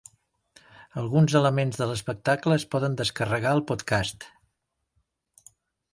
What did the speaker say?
Alguns elements de l'espectacle es poden descarregar al podcast.